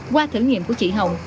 qua thử nghiệm của chị hồng